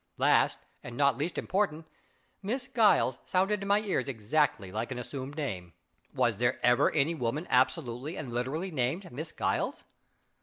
Last, and not least important, Miss Giles sounded in my ears exactly like an assumed name. Was there ever any woman absolutely and literally named Miss Giles?